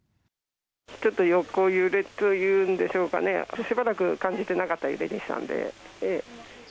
ちょっと横揺れというんでしょうかね、しばらく感じてなかった揺れでしたんで。